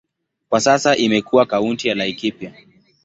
Kwa sasa imekuwa kaunti ya Laikipia.